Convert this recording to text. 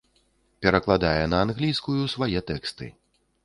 Перакладае на англійскую свае тэксты.